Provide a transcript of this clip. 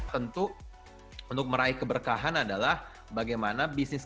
tentu untuk meraih keberkahan adalah bagaimana bisnis